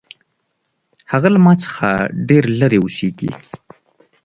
هغه له ما څخه ډېر لرې اوسیږي